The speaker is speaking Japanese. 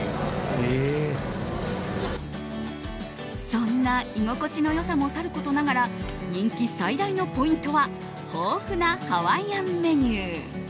そんな居心地の良さもさることながら人気最大のポイントは豊富なハワイアンメニュー。